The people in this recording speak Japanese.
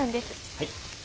はい。